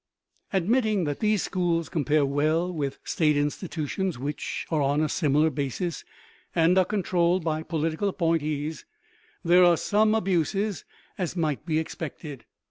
Admitting that these schools compare well with state institutions which are on a similar basis, and are controlled by political appointments, there are some abuses, as might be expected.